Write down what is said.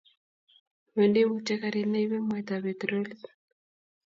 Wendi mutyo karit ne ibei mwaitab petrolit